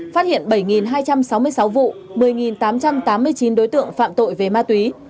phát hiện bảy hai trăm sáu mươi sáu vụ một mươi tám trăm tám mươi chín đối tượng phạm tội về ma túy